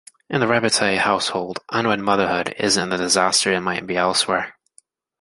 In the Rabbite household, unwed motherhood isn't the disaster it might be elsewhere.